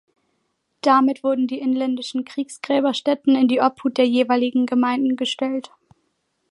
Damit wurden die inländischen Kriegsgräberstätten in die Obhut der jeweiligen Gemeinden gestellt.